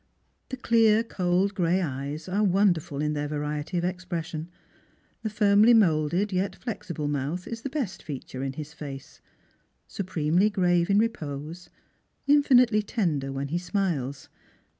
The clear cold gray eyes ai'e wonderful in their variety of expression. The firmly moulded yet flexible mouth is the best feature in his face, supremely grave in repose, infinitely tender when he smiles.